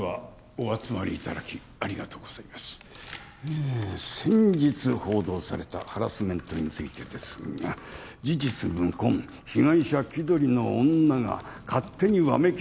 えぇ先日報道されたハラスメントについてですが事実無根被害者気取りの女が勝手にわめき散ら。